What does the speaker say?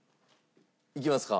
いきますか？